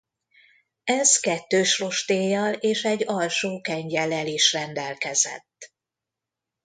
Ez kettős rostéllyal és egy alsó kengyellel is rendelkezett.